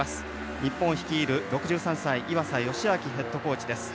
日本を率いる岩佐義明ヘッドコーチです。